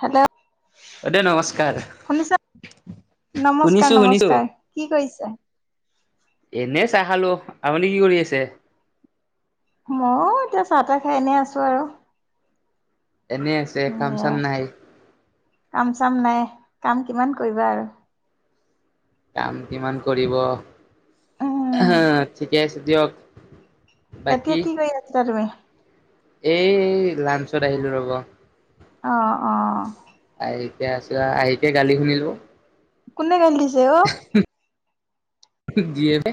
Hello, বাইদেউ নমস্কাৰ। শুনিছা নমস্কাৰ শুনিছো শুনিছো -নমস্কাৰ কি কৰিছে? এনে চাহ খালো আপুনি কি কৰি আছে? মই এতিয়া চাহ- তাহ খাই এনে আছো আৰু। এনে আছে কাম চাম [unintelligible] নাই কাম-চাম নায় কাম কিমান কৰিবা আৰু। কাম কিমান কৰিব উম [unintelligible] ঠিকে আছে দিয়ক এতিয়া কি কৰি আছিলা তুমি? এ' লানঞ্চত আহিলো ৰ'ব। অ', - অ', আহিকে আছো আ আহিকে গালি শুনিলো। কোনে গালি দিছে অহ? দিয়ে নে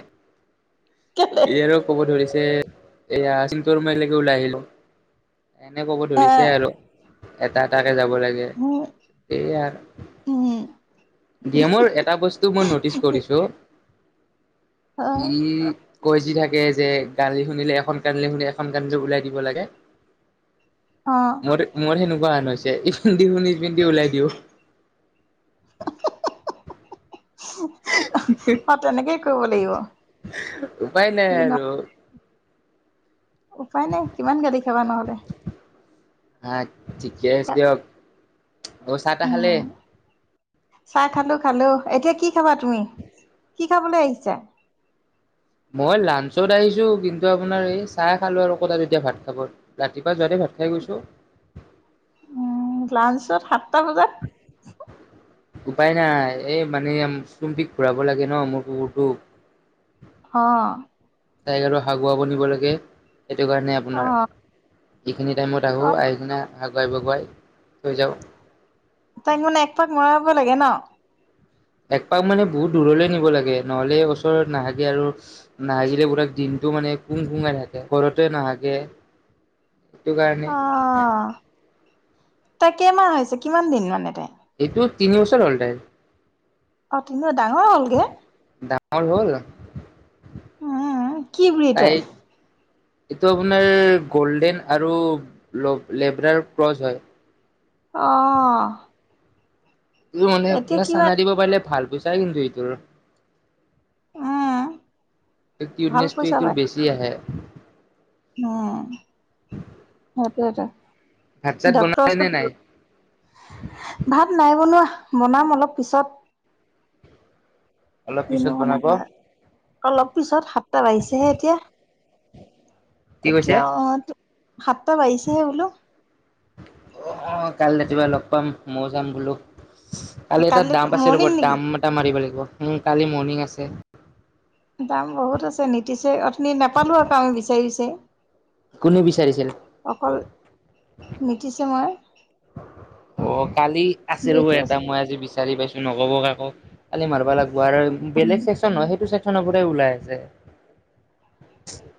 কেলে ই আৰু কব ধৰিছে যে এয়া চিনটো আৰু মই এনেকে ওলাই আহিলো এনে কব এ ধৰিছে আৰু এটা -এটাকে যাব লাগে উম সেই আৰ উম ডিমঅৰ এটা বস্তু মই নটিচ কৰিছো অ ই কৈ যি থাকে যে গালি শুনিলে এখন কানলে শুনি এখন কানেদি ওলাই দিব লাগে অ [unintelligible] সেনেকুৱা হেনে হৈছে ইফালদিশুনি ইপিনদি ওলাই দিওঁ। অহ, তেনেকেই কৰিব লাগিব। উপায় নাই সি ন আৰু উপায় নাই কিমান গালি খাবা নহলে হ ঠিকে আছে দিয়ক অ চাহ তাহ উম খালে চাহ খালো খালো এতিয়া কি খাবা তুমি কি খাবলৈ আহিছা মই লাঞ্চত আহিছো কিন্তু আপোনাৰ এই চাহ খালো আৰু ক তাত এতিয়া ভাত খাব ৰাতিপুৱা যোৱাতে ভাত খাই গৈছো উম, লাঞ্চত সাতটা বজাত উপায় নাই এই মানে চুম্পিক ঘূৰাব লাগে ন মোৰ কুকুৰটো অ াইগাটো হাগুৱা বনিব লাগে সেইটো কাৰণে আপোনাৰ অ', যিখিনি টাইমত আহোঁ অ', আহ সিখিনি হগুৱাই বগুৱাই থৈ যাওঁ তাইক মানে এক পাক মৰাব লাগে ন একপাক মানে বহুত দূৰলে নিব লাগে নহ'লে ওচৰত নাহাগে আৰু নাহাগিলে বোৰাাক দিন টো মানে কুং কুঙাই থাকে ঘৰতে নাহাকে অ ত কেইমাহ হৈছে কিমান দিন মানে ত এইটো তিনি বছৰ হল্টাই অ নে ডাঙৰ হ'লগে ডাঙৰ হ'ল হ কি বুলি কলি তাই তাইক এইটো আপোনাৰ গল্ডেন আৰু লেব্ৰাৰ ক্ৰচ হয় আহ তোৰ মানে আপাৰ চানা দিব পাৰিলে ভাল পইছা কিন্তু এইটোৰ উম, ভাল কিউটনেচটো পইচা এইটো পায় বেছি আহে উম ভাত চাত ডাক্তৰৰ বনালে নে নাই ওচৰত ভাত নাই বনোৱা বনাম অলপ পিছত অলপ পিছত কিনো বনাব আমাৰ অলপ পিছত সাতটাত বাঢ়িছেহে এতিয়া কি কৈছে এতিয়া অ আহ সাতটা বাঢ়িছেহে বোলো অ আহ কাই ৰাতিপুৱা লগ পাম মইও যাম বোলো কালি এটা কাইলৈ দাম আছে ৰ'ব মৰ্ণিং নেকি? দাম এটা মাৰিব লাগিব উ কালি মৰ্ণিং আছে দাম বহুত আছে নীতিছে অথনি নাপালো আকৌ আমি [unintelligible] কোনে বিচাৰিছিল মিতিছে মই অ কালি আছে ৰ'ব এটা মই আজি বিচাৰি পাইছো নগব আাকৌ কালি মাৰিবা লাগিব বেলেগ উম চেক্চন ন সেইটো চেকশ্যনৰ পৰা ওলাই আছে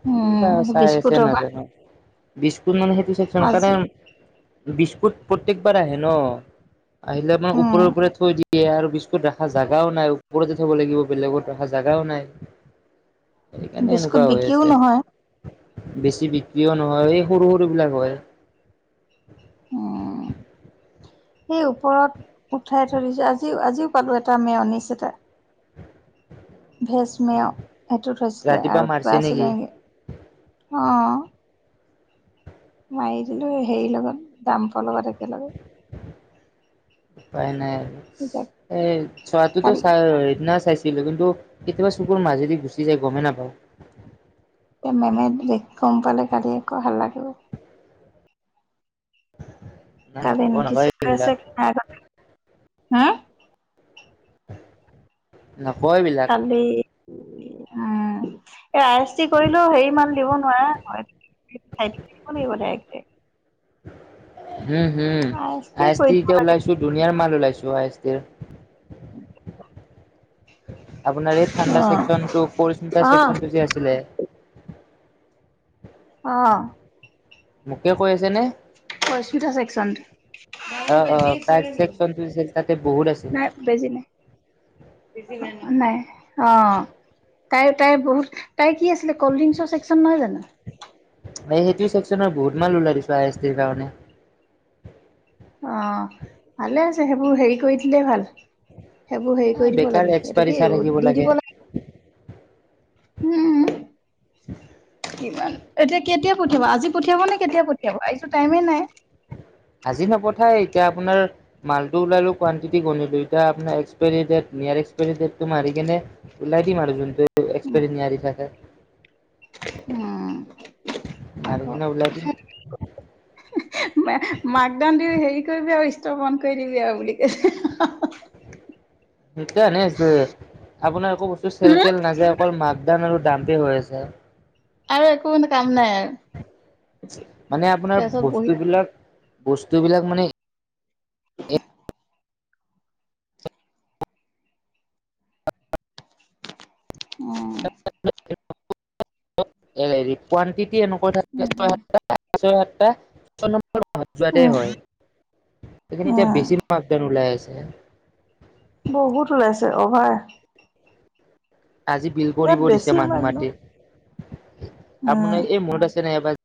কি বা চাই আছে বিস্কুটৰ পৰা নাজানো বি ত মানে সেইটো চেক আজি কাৰণ বিস্কুট প্ৰত্যেকবাৰ আহে ন এলে মান উম উপৰৰ পৰা থৈ দিয় স আৰু বিস্কুত ৰাখা জাগাও নাই ওপৰতে থব লাগিব বেলেগত ৰাখা জাগাও নাই এই কেনে বিস্কুট এনেকুৱা হৈ বিক্ৰীও আছে নহয় বেছি বিক্ৰীও নহয় এই সৰু সৰু বিলাক হয় উম সেই ওপৰত উঠাই থই দিছো আজি আজিও পালো এটা মাইয়নিছেছে এটা ভেজমেয় সেইটোত থৈছিলে ৰাতিপুৱা আৰু মাৰিছে কিবা নেকি আছিলে নেকি অ মাৰি দিলো হেৰিৰ লগত ডামফৰ লগত একেলগে উপ উপাই নাই এতিয়া আৰু এ চোৱাটোতো কালি চাই সেইদিনা চাইছ কিন্তু কেতিয়াবা চকুৰ মাজেদি গুচি যায় গমেই নাপাও এ মেমে ব গম পালে গালি একো ভাল লাগে [inaudible] কাল নকয় নেকি চ নকয় কৈছে এইবিলাক হ নকয়বিলাক এ আই এছ টি কৰিলেও হেৰি মান দিব নোৱাৰা চাই থাকিব লাগিব direct direct um home I টিয়ে এছ কৰি টি দিব লাগে ওলাইছো ধুনীয়াাৰ মাল ওলাইছো আই এছ টিৰ [inaudible] আপোনাৰ এই অ ঠাণ্ডা ছেকছনটো পৰীস্মিতা অ ছেকছনটো যে আছিলে? অঁ। মোকে কৈ আছেনে? পৰীস্মিতা ছেকছনটো? অ নাই অ বেজি তাৰ আছিলে চেকচনটো আছিল তাতে নেকি বহুত আছিল নাই বেজি নাই নাই। অঁ। তাই তাই বহুত তাই কি আছিলে কল্ড ড্ৰিংকছৰ ছেকছন নহয় জানো? এই সেইটো চেকচনৰ বহুত মাল ওলাই দিছা আই এছ টিৰ কাৰণে অ ভালে আছে সেইবোৰ হেৰি কৰি দিলেই ভাল। সেইবোৰ হেৰি এ কৰি দিব বেকাৰ লাগে এইটো এক্সপায়াৰী কি চাই থাকিব দি দিব লাগে। উম [unintelligible] কিমান এতিয়া কেতিয়া পঠিয়াবা আজি পঠিয়াব নে কেতিয়া পঠিয়াব এইটো টাইমে নাই আজি নপঠায় এতিয়া আপোনাৰ মালটো ওলালো কোৱান্তিতি গণিলো, এতিয়া আপোনাৰ এক্সপাইৰী ডেট নিয় এক্সপাইৰী দেটটো মাৰি কেনে ওলাই দিম আৰু যোনটো এক্সপাইৰী নিয়াৰি থাকে উম ম দেখ আকৌ ন উলাদন মাক দান দিও হেৰি কৰিবি আৰু ষ্টৰ বন্ধ কৰি দিবি আৰু বুলি কৈছে এতিয়া এনেই আছো এ আপোনাৰ একো বস্তু চেল তেল নাযায় অকল মাকডান আৰু দামতে হৈ আছে আৰু একো মানে কাম নাই আৰু? মানে আপোনাৰ তাৰপিছত বহি বস্তু বিলাক বস্তু বিলাক মানে- উম। [unintelligible] হেৰি কোৱানটিটি এনেক থাকে ছয় সাত ছয় সাত ছয় যোৱা হয় সেই এতিয়া উম বেছি আদান ওলাই আছে বহুত ওলাইছে অভাই আজি বিল কৰিব দিছে মই মানুহ একদম মাতি উম আপোনাৰ এই মূৰত আছে নাই এবাৰ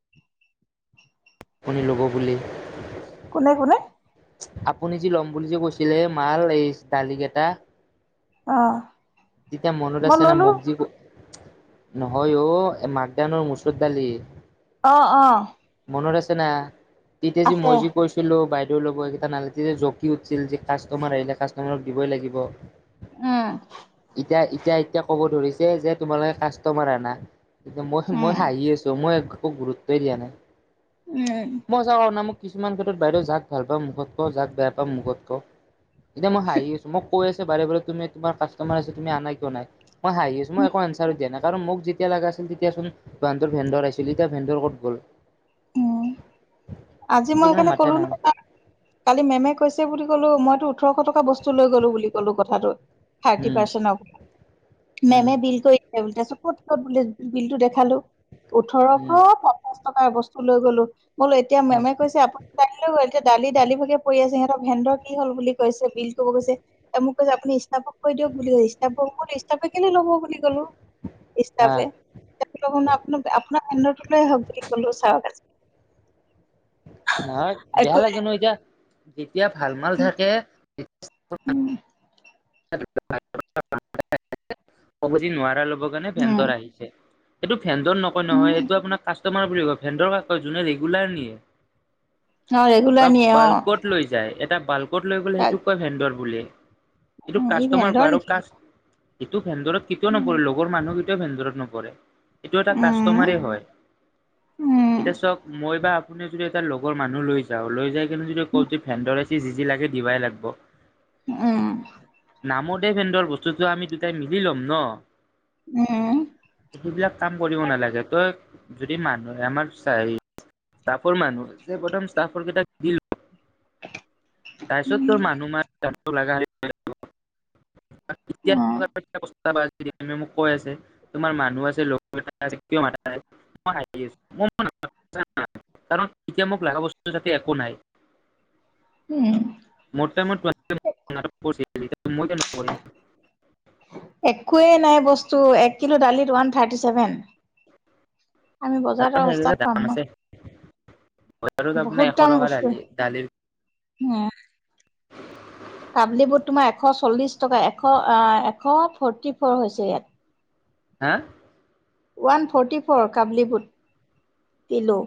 পনীৰ ল'ব বুলি কোনে কোনে? আপুনি যি ল'ম বুলি যে কৈছিলে মাল এই দালি কেইটা অ তেতিয়া মনত মই আছেনে ললো মগজি নহয় অ মাকদানৰ মুচুৰ দালি। আহ আহ মনত আছে না তেতিয়া যি মই যি কৈছিলো বাই লগ কেইটা নাল যে জকি উঠিছিল যে কাষ্টমাৰ আহিলে কাষ্টমাৰক দিবই লাগিব উম। এতিয়া এতিয়া এতিয়া ক'ব ধৰিছে যে তোমালোকে কাষ্টমাৰ আনা এতিয়া মই মই উম হাঁহি আছো মই খুব গুৰুত্বই দিয়া নাই উম মই সচাই কোৱা মোক। কিছুমান ক্ষেত্ৰত বাইদেউ যাক ভাল পাওঁ মুখত কওঁ, যাক বেয়া পাওঁ মুখত কওঁ, এতিয়া মই হাঁহি আছো মই কৈ আছো বাৰে বাৰে তুমি তোমাৰ কাছ তোমাৰ তুমি আনা কিয় নাই মই হাঁহি আছো মই এক আনচাৰ দিয়া নাই কাৰণ মোক যেতিয়া লগা আছিল তেতিয়া ভেন্দৰ আহিছিলি যে ভেন্দৰ ক'ত গ'ল উম আজি মই সেইকাৰণে মাথাই কলো নামাৰিলো ন কালি মেমে কৈছে বুলি কলো মইটো ওঠৰশ টকা বস্তু লৈ গ'লো বুলি ক'লো কথাটো। থাৰ্টি উম পাৰ্চেট উম মেমে বিল কৰি ক'ত ক'ত বুলি বিল টো দেখালো, উম ওঠৰশ পঞ্চাছ টকাৰ বস্তু লৈ গলোঁ ব'ল এতিয়া উম মেমে কৈছে আপুনি [unintelligible] গ'ল এতিয়া দালি দালি ভাগে পৰি আছে সিহঁত [unintelligible] ভেন্দৰ কি হল বুলি কৈছে বিল কব কৈছে, মোক কৈছে আপুনি ষ্টাফক কৈ দিয়ক বুলি কৈছে ষ্টাফক [unintelligible] তাৰ পা কিনি ল'ব বুলি ক'লো। আহ ষ্টাফে, [unintelligible] আপোনাৰ ভেণ্ডৰ টোলৈ আহক বুলি কলো চাওক। নহয় বেয়া একো লাগে নাই ন এতিয়া যেতিয়া ভাল মাল থাকে উম [unintelligible] [unintelligible] কবি নোৱাৰা ল'ব কাৰণে উম ভেণ্ডৰ আহিছে। এইটো ভেণ্ডৰ নকয় উম নহয় এইটো আপোনাৰ কাষ্টমাৰ বুলি কয়, ভেণ্ডৰ কাক কয় যোনে ৰেগুলাৰ নিয়ে। অ ৰেগুলাৰ বা নিয়ে অ বাল্কত লৈ যায় এটা বাল্কত লৈ গ'লে তাক সেইটোক কয় ভেন্দৰ বুলি। এইটো উম, ই কাষ্টমাৰ কোৱা ভেন্দৰ আৰু নেকি? কাষ্ট এইটো ভেন্দৰত কেতিয়াও উম, নপৰে লগৰ মানুহ কেতিয়াও ভেন্দৰত নপৰে। এইটো এটা উম, কাষ্টমাৰে হয়। উম, এতিয়া চক মই বা আপুনি যদি এটা লগৰ মানুহ লৈ যাওঁ লৈ যাই কিনে যদি কওঁ যে ভেণ্ডৰ আইছি যি যি লাগে দিবাই লাগব। উম। নামত হে ভেন্দৰ, বস্তুটো আমি দুটাই মিলি ল'ম ন। উম, সিবিলাক কাম কৰিব নালাগে, তই যদি মানুহ আমাৰ চা হেৰি ষ্টাফৰ মানুহ এ প্ৰথম ষ্টাফৰ কেটাক দি ল তাৰপিছত তোৰ মানুহ [unintelligible] [unintelligible] মোক কৈ আছে তোমাৰ মানুহ আছে [unintelligible] কাৰণ এতিয়া মোক লাগা বস্তু তাতে একো নাই। উম, মোৰ‌ টাইমত [unintelligible] মই কিয় নকৰিম। একোৱেই নাই বস্তু এক কিলো দালিত ওৱান থাৰ্টি ছেভেন। আমি বজাৰত আৰু সস্তাত দাম পাম ন? আছে বজাৰত বহুত আপোনাৰ এশ দাম টকা বস্তু দালি দালিৰ উম। কাবলি বুট তোমাৰ এশ চল্লিছ টকা, এশ আ এশ ফৰটি ফৰ হৈছে ইয়াত। হা? ওৱান ফ'ৰ্টি ফ'ৰ কাবলী বুট কিলো।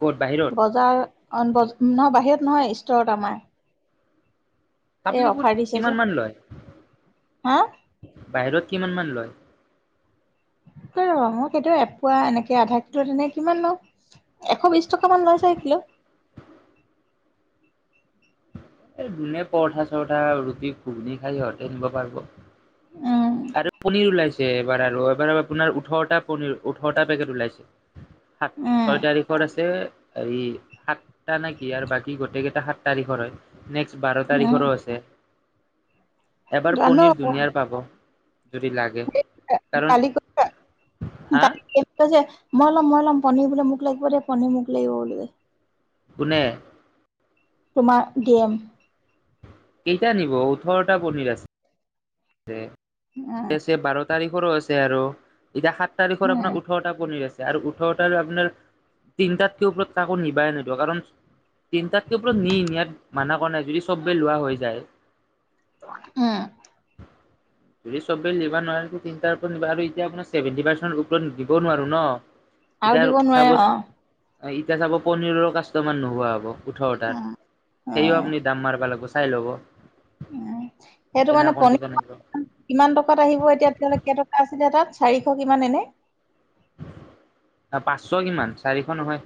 ক'ত বাহিৰত বজাৰ অন বজ নহয় বাহিৰত নহয়, ষ্টৰত আমাৰ। এই কাবলি বুট অফাৰ দিছে যে। কিমান মান লয়? হা, বাহিৰত কিমান মান লয়? ৰ মই কেতিয়া এপোৱো এনেকে আধা কিলো তেনে কিমান লওঁ এশ বিছ টকা মান লয় চাগে কিলো! [inaudible] এতে দুনিয়াৰ পৰঠা চৰঠা ৰুটি ঘুগুনি খাই সিহঁতে নিব পাৰব। উম আৰু পনীৰ ওলাইছে এইবাৰ আৰু এইবাৰ [unintelligible] আপোনাৰ ওঠৰতা পনীৰ, ওঠৰতা পেকেট ওলাইছে। সাত উম ছয় তাৰিখত আছে। এই সাতটা নেকি আৰু বাকী গোটেই কেইটা সাত তাৰিখৰ হয়। নেক্সট বাৰ উম তাৰিখৰো আছে। এবাৰ জানো পনীৰ দুনীয়াৰ পাব। যদি লাগে [unintelligible] কাৰণ হা মই লম, মই লম পনীৰ বোলে মোক লাগিব দেই পনীৰ মোক লাগিব বুলি কোনে? তোমাৰ দি এম। কেতিয়া নিব ওঠৰটা পনিৰ আছে। উম [unintelligible] বাৰ' তাৰিখৰো আছে আৰু, এতিয়া সাত তাৰিখৰ উম আপোনাৰ ওঠৰটা পনীৰ আছে। আৰু ওঠৰতাৰ আপোনাৰ তিনটাতকে ওপৰত কাকো নিবাই নেদো কাৰণ তিনটাততো ওপৰত ইয়াত মানা কৰা নাই যদি চবে লোৱা হৈ যায়। উম [inaudible] যদি চবে নিবা নোৱাৰে টো তিনটা ওপৰত নিবা আৰু এতিয়া আপোনাৰ ছেবেণ্টি পাৰ্চেন গ্ৰুপ লন দিব নোৱাৰো ন'। আৰু এতিয়া দিব নোৱাৰে চাব অ',। এতিয়া চাব পনীৰৰ কাষ্টমাৰ নোহোৱা হ'ব ওঠৰটাৰ উম সেইও উম আপুনি দাম মাৰব লাগব চাই ল'ব। [unintelligible] সেইটো কেনে কাৰনে কণ্ডিচন পনীৰ আহিব [unintelligible] কিমান টকাত আহিব এতিয়া কেইটকা আছিলে তাত? চাৰিশ কিমান এনে? পাঁচশ কিমান চাৰিশ নহয়।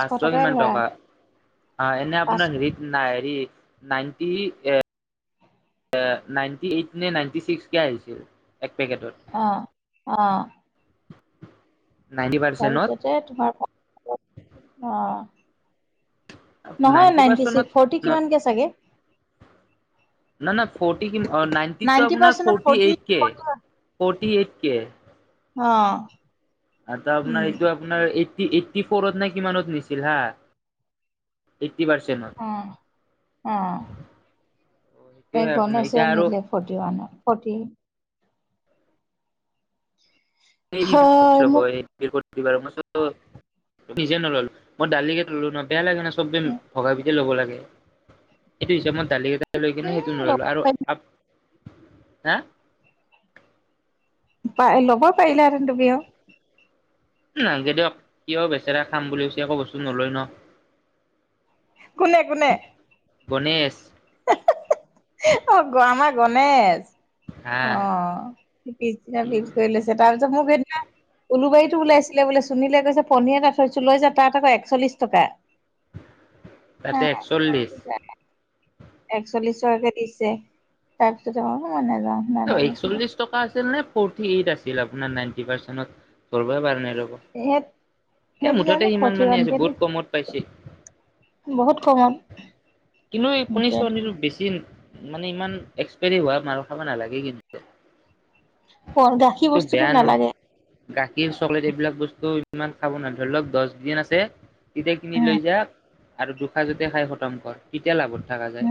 পাঁচশ টকাই কিমান ধৰা টকা আ এনে পাঁচ আপোনাৰ হেৰিত নাই হেৰি নাইন্তি এ নাইণ্টি এইট নে, নাইণ্টি ছিক্সকে আহিছিল এক পেকেটত। অহ নাইনটি পাৰ্চেন্টত তাৰপিছতে তোমাৰ [unintelligible] অহ নহয় নাইনটি নাইণ্টি পাৰ্চেন্টত ছিক্স, ফৰটি কিমানকে চাগে? ন -ন ফৰটি নাইনটিতটো নাইনটি আপোনাৰ পাৰ্চেন্টত ফৰতি ফৰ্টি এইত কে -ফৰতি এইত কে অহ আতা আপোনাৰ এইটো আপোনাৰ এই এইট্টি ফ'ৰত না কিমানত নিছিল হা পাৰ্চেন্টত অহ -অহ সেইটোয়ে এই আপোনাৰ এতিয়া গণেশে আৰু নিলে ফৰটি ওৱানত। ফৰটি [unintelligible] হয় [unintelligible] মোক মই নিজে নললো মই দালিকেই ললো ন'বেয়া লাগে না [unintelligible] লৈ কিনে সেইটো নললো ল'ব আৰু আ -হা পাই ল'ব পাৰিলা হেতেন তুমি অ',। নাংগে দিয়ক ইয় বেচেৰা খাম বুলি কৈছে একো বস্তু নলয় ন '। কোনে - কোনে? গণেশ। অহ, গড আমাৰ গণেশ। হা অহ, পিছদিনা পিছ কৰি লৈছে তাৰপিছত মোক উলুবাৰীতো ওলাইছিলে বোলে চুনীলে কৈছে পনীৰ এটা থৈছো লৈ যা তাত আকৌ একচল্লিশ টকা। তাতে একচল্লিশ হা একচল্লিশ টকাকে দিছে তাৰপিছতে আমাৰ [unintelligible] নেযাওঁ। একচল্লিশ টকা আছিল নে ফৌৰতি এইত আছিল আপোনাৰ নাইনতি পাৰ্চেন্টেত ধৰনাই পাৰা সেত নাই। এ সেইটো জানো মুঠতে সিমান ফৰ্টি ওৱান মানে আছে কে বহুত কমত পাইচি। বহুত কমত। কিন্তু এই [unintelligible] বেছিন মানে ইমান এক্সপাইৰী হোৱা মাল খাব নালাগে কিন্তু দে। গাখীৰ এইটো বস্তুটো বেয়া ন নালাগে গাখীৰ চকলেট এইবিলাক বস্তু ইমান খাব নোৱাৰ ধৰি লওক দছ দিন আছে তেতিয়া কিনি লৈ উম যাক আৰু দুখাজতে খাই খতম - তংকৰ এতিয়া লাভত থাকা যায়।